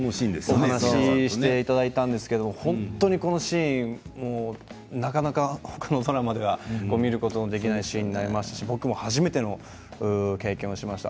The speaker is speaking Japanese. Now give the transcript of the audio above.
お話ししていただいたんですがこのシーンなかなか他のドラマでは見ることができないシーンだと思いますし僕も初めての経験をしました。